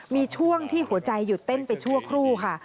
มีช่วงที่หัวใจหยุดเต้นไปชั่วครู่ค่ะ